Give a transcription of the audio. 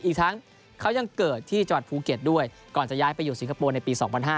อีกทั้งเขายังเกิดที่จังหวัดภูเก็ตด้วยก่อนจะย้ายไปอยู่สิงคโปร์ในปี๒๕๕๙